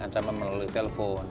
ancaman melalui telepon